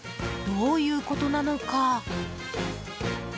どういうことなのか。